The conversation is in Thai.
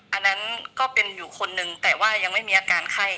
อันนั้นก็เป็นอยู่คนนึงแต่ว่ายังไม่มีอาการไข้